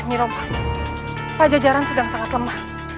nyi rompang pajajaran sedang sangat lemah